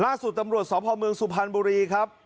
ล่าสุดตำรวจสบซุภันบุรี